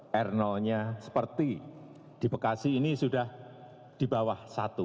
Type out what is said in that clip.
karena kurve r nya seperti di bekasi ini sudah di bawah satu